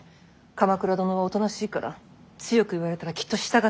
鎌倉殿はおとなしいから強く言われたらきっと従ってしまいます。